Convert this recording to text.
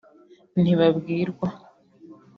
ntibabwirwaÂ